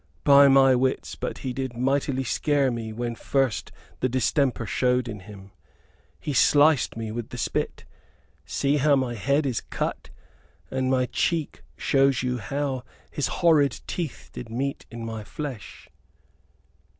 "By my wits, but he did mightily scare me when first the distemper showed in him. He sliced me with the spit. See how my head is cut, and my cheek shows you how his horrid teeth did meet in my flesh."